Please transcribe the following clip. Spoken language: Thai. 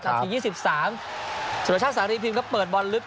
นาที๒๓สุดท้ายชาติสารีพิมพ์ก็เปิดบอลลึก